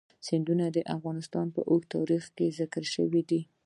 سیندونه د افغانستان په اوږده تاریخ کې ذکر شوی دی.